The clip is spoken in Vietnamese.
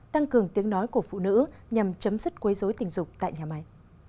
tăng cường tiếng nói của phụ nữ nhằm chấm dứt quấy dối tình dục tại nhà máy